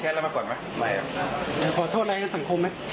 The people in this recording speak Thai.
ขอโทษอะไรหรือนนี้กับสังคมมั้ย